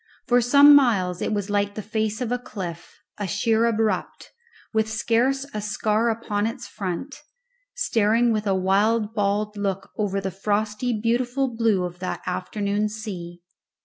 For some miles it was like the face of a cliff, a sheer abrupt, with scarce a scar upon its front, staring with a wild bald look over the frosty beautiful blue of that afternoon sea.